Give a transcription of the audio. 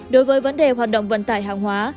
đối với vấn đề hoạt động vận tải hàng hóa